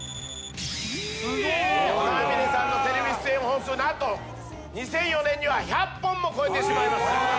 與那嶺さんのテレビ出演本数何と２００４年には１００本も超えてしまいました。